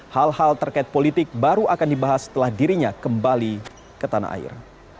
hal hal terkait politik baru akan dibahas setelah dirinya kembali ke tanah air